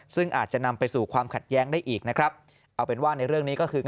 ซึ่งอาจจะนำไปสู่ความขัดแย้งได้อีกนะครับเอาเป็นว่าในเรื่องนี้ก็คือ